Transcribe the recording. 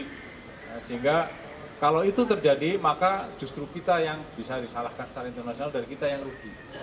sehingga kalau itu terjadi maka justru kita yang bisa disalahkan secara internasional dan kita yang rugi